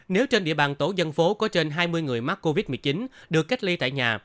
nếu trên địa bàn tổ dân phố có trên hai mươi người mắc covid một mươi chín được cách ly tại nhà